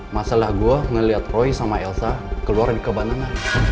masalah gua ngeliat roy sama elsa keluar di cabana night